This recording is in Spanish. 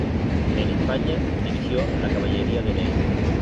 En España dirigió la caballería de Ney.